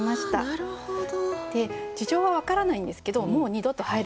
なるほど。